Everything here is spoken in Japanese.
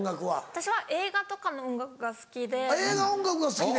私は映画とかの音楽が好きで。